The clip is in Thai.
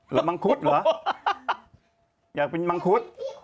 อยากเปลี่ยนพี่คู้